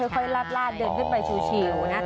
ลาดเดินขึ้นไปชิวนะ